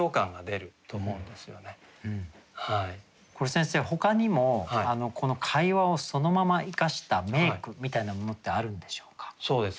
先生ほかにも会話をそのまま生かした名句みたいなものってあるんでしょうか？